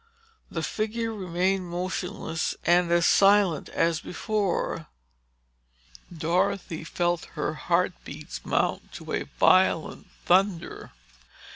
The figure remained motionless and as silent as before. Dorothy felt her heart beats mount to a violent thunder.